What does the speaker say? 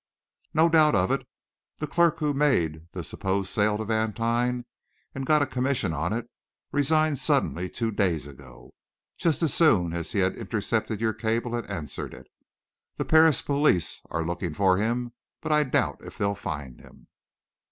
"No doubt of it. The clerk who made the supposed sale to Vantine and got a commission on it, resigned suddenly two days ago just as soon as he had intercepted your cable and answered it. The Paris police are looking for him, but I doubt if they'll find him."